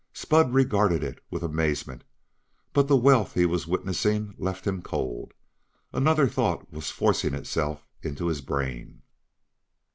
Spud regarded it with amazement, but the wealth he was witnessing left him cold; another thought was forcing itself into his brain.